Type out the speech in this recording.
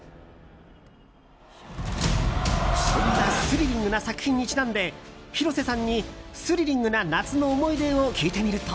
そんなスリリングな作品にちなんで広瀬さんに、スリリングな夏の思い出を聞いてみると。